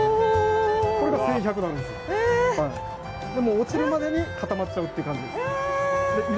落ちるまでに固まっちゃうっていう感じです。え！？